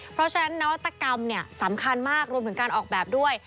เพราะฉะนั้นนวัตกรรมสำคัญมากรวมถึงการออกแบบด้วย